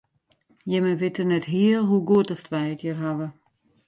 Jimme witte net heal hoe goed oft wy it hjir hawwe.